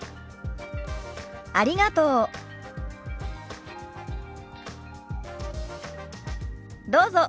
ありがとう。